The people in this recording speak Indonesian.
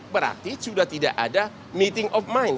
berarti sudah tidak ada meeting of mind